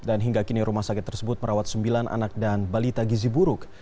dan hingga kini rumah sakit tersebut merawat sembilan anak dan balita gizi buruk